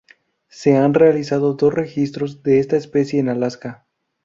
Se han realizado dos registros de esta especie en Alaska.